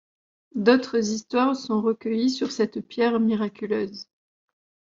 D’autres histoires sont recueillies sur cette pierre miraculeuse.